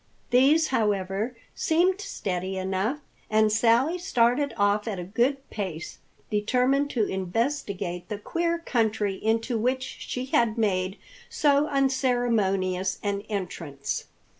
These, however, seemed steady enough, and Sally started off at a good pace, determined to investigate the queer country into which she had made so unceremonious an entrance.